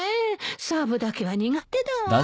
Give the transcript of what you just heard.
サーブだけは苦手だわ。